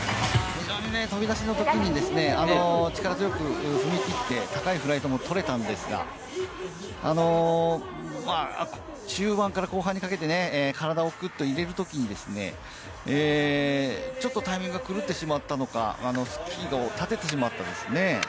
飛び出しの時に力強く踏み切って高いフライトが取れたんですが、中盤から後半にかけて体を入れるときにちょっとタイミングが狂ってしまったのか、スキーを立ててしまいましたね。